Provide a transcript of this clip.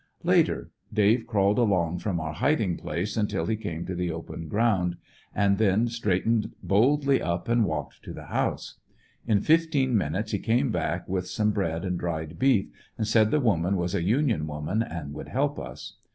Later. — Dave crawled along from our hiding place until he came to the open ground, and then 146 FINAL ESCAPE. straightened boldly up and walked to the house. In fifteen minutes he came back with some bread and dried beef, and said the woman was a Union w^oman and would help us.